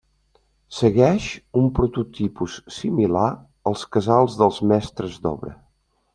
Segueix un prototipus similar als casals dels mestres d'obra.